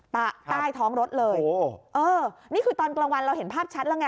ใต้ใต้ท้องรถเลยโอ้เออนี่คือตอนกลางวันเราเห็นภาพชัดแล้วไง